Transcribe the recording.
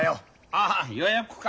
あ予約か。